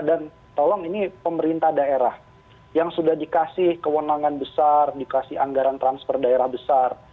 dan tolong ini pemerintah daerah yang sudah dikasih kewenangan besar dikasih anggaran transfer daerah besar